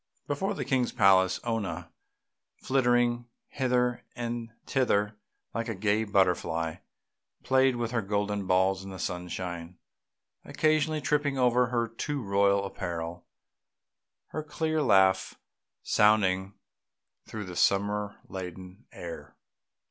Before the King's palace Oona, flitting hither and thither, like a gay butterfly, played with her golden balls in the sunshine, occasionally tripping over her too royal apparel, her clear laugh sounding through the summer laden air.